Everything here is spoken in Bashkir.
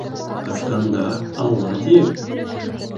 Ҡасҡан да «Алла» тиер